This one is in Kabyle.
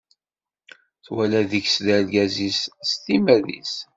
Twala deg-s d argaz-is s timmad-is.